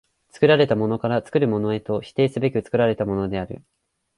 作られたものから作るものへと否定すべく作られたものである。